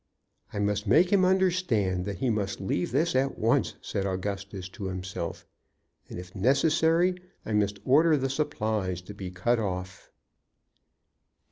"I must make him understand that he must leave this at once," said Augustus to himself, "and if necessary I must order the supplies to be cut off."